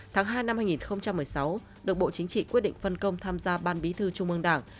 tháng hai năm hai nghìn một mươi sáu được bộ chính trị quyết định phân công tham gia ban bí thư trung ương đảng